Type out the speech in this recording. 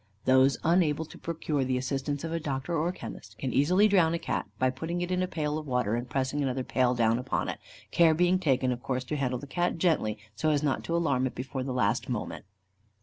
Those unable to procure the assistance of a doctor or chemist, can easily drown a Cat by putting it into a pail of water, and pressing another pail down upon it, care being taken of course to handle the Cat gently, so as not to alarm it before the last moment.